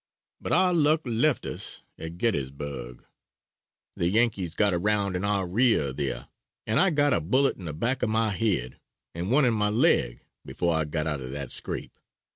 But our luck left us at Gettysburg. The Yankees got around in our rear there, and I got a bullet in the back of my head, and one in my leg before I got out of that scrape.